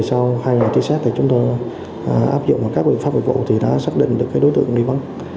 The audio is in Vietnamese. sau hai ngày tri xét chúng tôi áp dụng các bình pháp vụ vụ đã xác định được đối tượng đi bắn